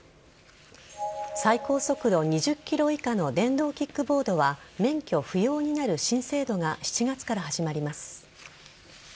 最高速度２０キロ以下の電動キックボードは免許不要になる新制度が７月から始まります。